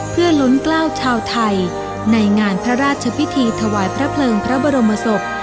เพื่อลุ้นกล้าวชาวไทยในงานพระราชพิธีถวายพระเพลิงพระบรมศพ